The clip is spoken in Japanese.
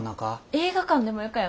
映画館でもよかよ。